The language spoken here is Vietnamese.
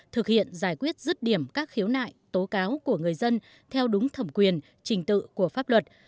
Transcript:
thực hiện giải quyết rứt điểm các khiếu nại tố cáo của người dân theo đúng thẩm quyền trình tự của pháp luật